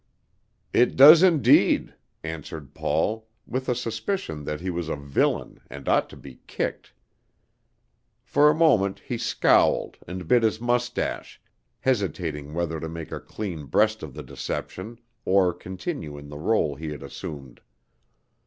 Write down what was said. "It does indeed!" answered Paul, with a suspicion that he was a villain and ought to be kicked. For a moment he scowled and bit his mustache, hesitating whether to make a clean breast of the deception or continue in the role he had assumed.